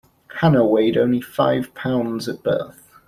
Hannah weighed only five pounds at birth.